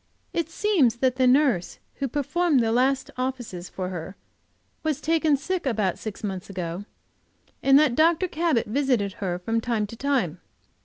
It seems that the nurse who performed the last offices for her was taken sick about six months ago, and that Dr. Cabot visited her from time to time.